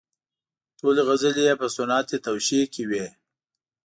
ټولې غزلې یې په صنعت توشیح کې وې.